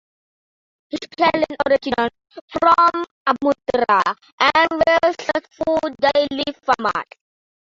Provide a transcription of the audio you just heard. His parents originated from Mathura and were successful dairy farmers.